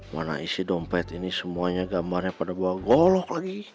mana isi dompet ini semuanya gambarnya pada gua golok lagi